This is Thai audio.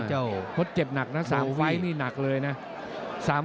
เพราะเจ็บหนักนะ๓ไฟล์นี่หนักเลยนะ